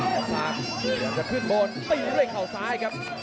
กลับสากเดี๋ยวจะขึ้นบนตีมด้วยข่าวซ้ายครับ